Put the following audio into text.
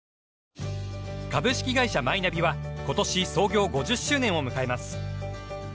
株式会社マイナビは今年創業５０周年を迎えます。